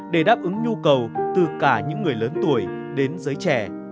để đáp ứng nhu cầu từ cả những người lớn tuổi đến giới trẻ